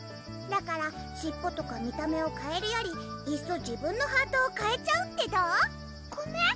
だから尻尾とか見た目をかえるよりいっそ自分のハートをかえちゃうってどう？